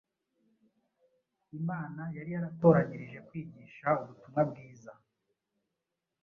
Imana yari yaratoranyirije kwigisha ubutumwa bwiza.